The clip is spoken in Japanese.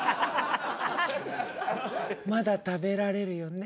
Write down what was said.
まだ食べられるよね？